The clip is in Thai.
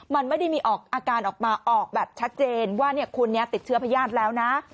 มันไม่ได้มีออกอาการออกมาออกแบบชัดเจนว่าคุณติดเชื้อพญาติแล้วนะ